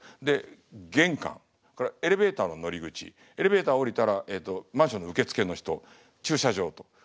で玄関エレベーターの乗り口エレベーター降りたらえっとマンションの受け付けの人駐車場と。